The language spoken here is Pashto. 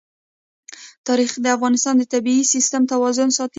تاریخ د افغانستان د طبعي سیسټم توازن ساتي.